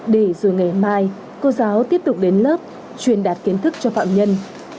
để rồi ngày mai cô giáo tiếp tục đến lớp truyền đạt kiến thức cho phạm nhân